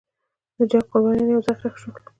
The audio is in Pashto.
د جنګ قربانیان یو ځای ښخ شول.